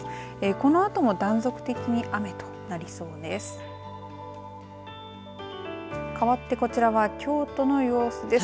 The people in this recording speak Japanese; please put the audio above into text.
このあとも断続的に雨となりそうです。